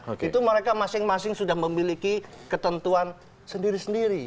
itu mereka masing masing sudah memiliki ketentuan sendiri sendiri